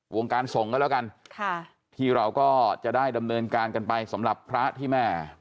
วงการส่งก็แล้วกันค่ะที่เราก็จะได้ดำเนินการกันไปสำหรับพระที่แม่